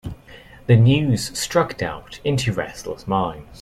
The news struck doubt into restless minds.